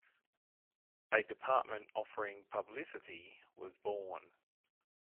A department offering Publicity was born.